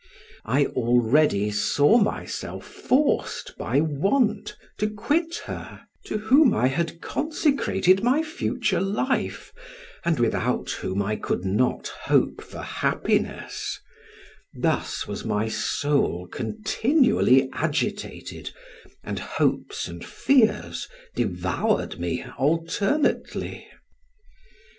I already saw myself forced by want to quit her to whom I had consecrated my future life, and without whom I could not hope for happiness: thus was my soul continually agitated, and hopes and fears devoured me alternately.